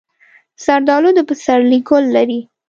زردالو د پسرلي ګل لري.